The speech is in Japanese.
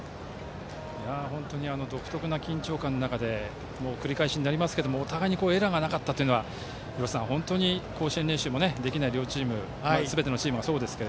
本当に独特な緊張感の中で繰り返しになりますがお互いにエラーがなかったのは本当に甲子園練習もできない両チームすべてのチームがそうですが。